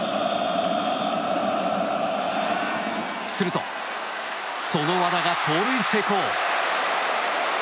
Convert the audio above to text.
すると、その和田が盗塁成功。